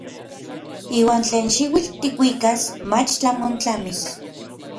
Iuan tlen xiuitl tikuikas mach tlamon tlamis.